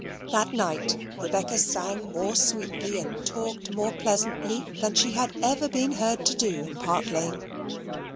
That night Rebecca sang more sweetly and talked more pleasantly than she had ever been heard to do in Park Lane.